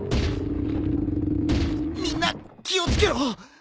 みんな気を付けろ！